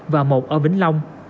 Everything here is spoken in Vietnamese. và một ở bình long